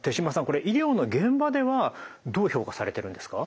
これ医療の現場ではどう評価されているんですか？